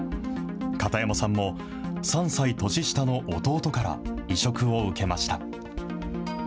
片山さんも、３歳年下の弟から移植を受けました。